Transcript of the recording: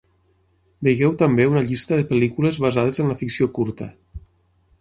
Vegeu també una llista de pel·lícules basades en la ficció curta.